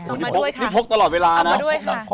นี่พกตลอดเวลานะ